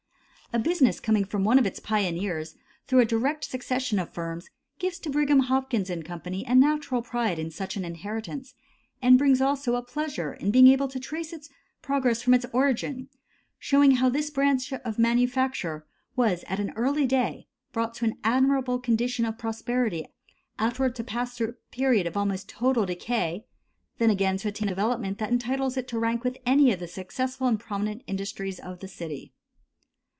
A business coming from one of its pioneers through a direct succession of firms gives to Brigham, Hopkins & Co. a natural pride in such an inheritance, and brings also a pleasure in being able to trace its progress from its origin, showing how this branch of manufacture was at an early day brought to an admirable condition of prosperity, afterwards to pass through a period of almost total decay, then again to attain a development that entitles it to rank with any of the successful and prominent industries of the city.